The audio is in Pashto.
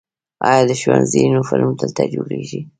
آیا د ښوونځي یونیفورم دلته جوړیږي؟